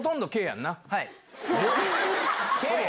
はい。